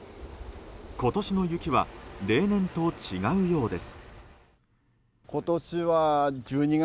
今年の雪は例年と違うようです。